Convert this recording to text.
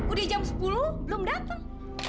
udah jam sepuluh belum datang